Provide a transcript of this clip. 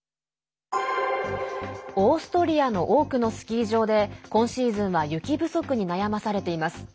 オーストリアの多くのスキー場で今シーズンは雪不足に悩まされています。